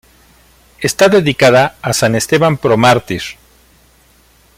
Está dedicada a San Esteban Protomártir.